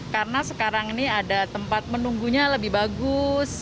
karena sekarang ini ada tempat menunggunya lebih bagus